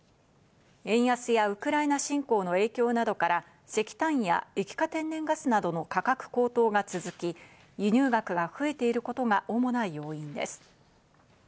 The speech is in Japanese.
円安やウクライナ侵攻の影響などから石炭や液化天然ガスなどの価格高騰が続き、輸入額が増えていることが主な要因です。